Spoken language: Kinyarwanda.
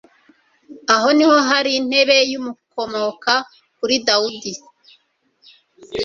aho ni ho hari intebe y'ukomoka kuri dawudi